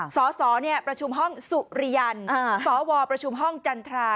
สสประชุมห้องสุริยันสวประชุมห้องจันทรา